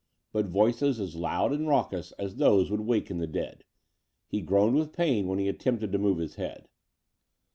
But voices as loud and raucous as those would waken the dead. He groaned with pain when he attempted to move his head.